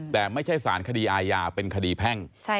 แต่ไม่ใช่สารคดีอาญาเป็นคดีแพ่ง